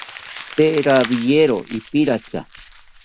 Tee rawiero ipirintha